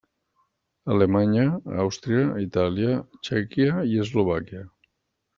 Alemanya, Àustria, Itàlia, Txèquia i Eslovàquia.